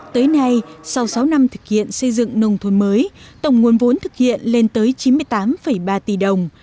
tới nay sau sáu năm thực hiện xây dựng nông thôn mới tổng nguồn vốn thực hiện lên tới chín mươi tám ba tỷ đồng